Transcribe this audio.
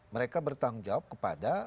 mereka bertanggung jawab kepada